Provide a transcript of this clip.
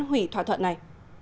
hủy thỏa thuận này